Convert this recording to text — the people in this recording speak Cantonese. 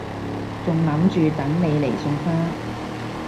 仲諗住等你嚟送花